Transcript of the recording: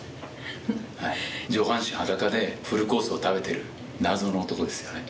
はい上半身裸でフルコースを食べてる謎の男ですよね